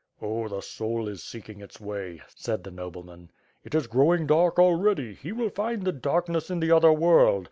"Oh, the soul is seeking its way/' said the nobleman. "It is growing dark already, he will find the darkness in the other world.